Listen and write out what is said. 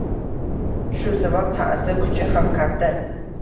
Shu sabab ta’sir kuchi ham katta.